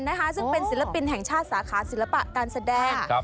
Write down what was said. นะคะซึ่งเป็นศิลปินแห่งชาติสาขาศิลปะการแสดง